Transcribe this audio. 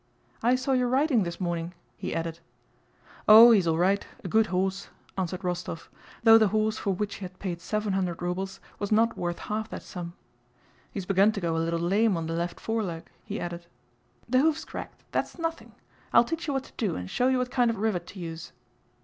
"I saw you riding this morning..." he added. "Oh, he's all right, a good horse," answered Rostóv, though the horse for which he had paid seven hundred rubbles was not worth half that sum. "He's begun to go a little lame on the left foreleg," he added. "The hoof's cracked! That's nothing. I'll teach you what to do and show you what kind of rivet to use."